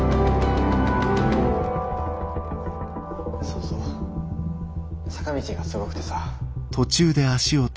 ・そうそう坂道がすごくてさ。